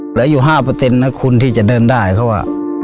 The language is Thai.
เหลืออยู่๕นะคุณที่จะเดินได้เพราะว่า